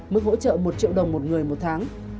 mức hỗ trợ một triệu đồng một người một tháng